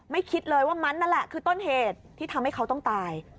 คิดเลยว่ามันนั่นแหละคือต้นเหตุที่ทำให้เขาต้องตาย